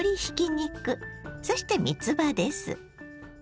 そしてみつばです。